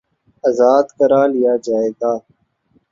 آزاد کرا لیا جائے گا